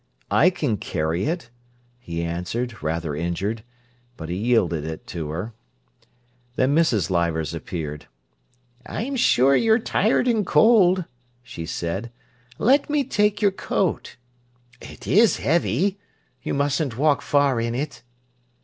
"I can carry it," he answered, rather injured. But he yielded it to her. Then Mrs. Leivers appeared. "I'm sure you're tired and cold," she said. "Let me take your coat. It is heavy. You mustn't walk far in it."